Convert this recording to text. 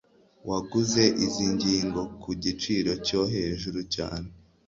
Waguze izi ngingo ku giciro cyo hejuru cyane.